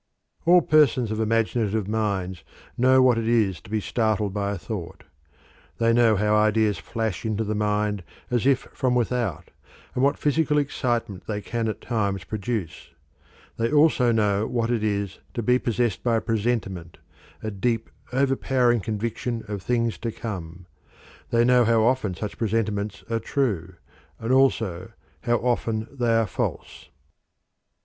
All persons of imaginative minds know what it is to be startled by a thought; they know how ideas flash into the mind as if from without, and what physical excitement they can at times produce. They also know what it is to be possessed by a presentiment, a deep, overpowering conviction of things to come. They know how often such presentiments are true, and also how often they are false.